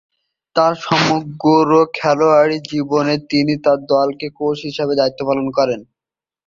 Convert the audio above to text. তার সমগ্র খেলোয়াড়ী জীবনে তিনি তার দলের কোচ হিসেবে দায়িত্ব পালন করেন।